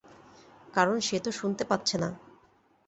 কারণ সে তো শুনতে পাচ্ছে না।